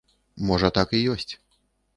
Можа так і ёсць.